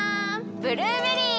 ブルーベリー！